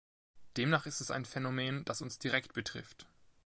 Demnach ist es ein Phänomen, das uns direkt betrifft.